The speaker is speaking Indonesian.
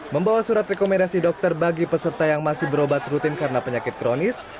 membawa surat rekomendasi dokter bagi peserta yang masih berobat rutin karena penyakit kronis